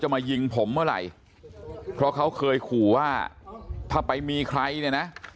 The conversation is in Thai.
มายิงผมเมื่อไหร่เพราะเขาเคยขู่ว่าถ้าไปมีใครเนี่ยนะ